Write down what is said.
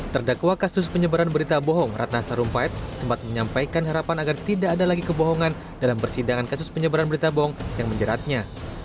terdakwa kasus penyebaran berita bohong ratna sarumpait sempat menyampaikan harapan agar tidak ada lagi kebohongan dalam persidangan kasus penyebaran berita bohong yang menjeratnya